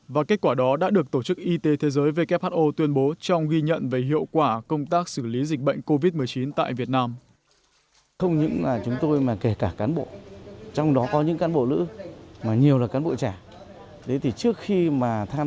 và kết quả đó đã được tổ chức y tế thế giới who tuyên bố trong ghi nhận về hiệu quả công tác xử lý dịch bệnh covid một mươi chín tại việt nam